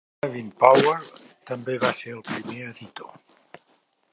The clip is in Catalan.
Davin-Power també va ser el primer editor.